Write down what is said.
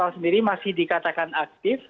sendiri masih dikatakan aktif